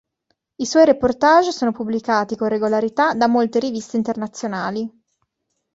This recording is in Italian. I suoi reportages sono pubblicati, con regolarità, da molte riviste internazionali.